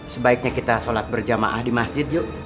sebaiknya kita sholat berjamaah di masjid yuk